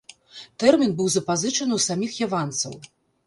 Тэрмін быў запазычаны ў саміх яванцаў.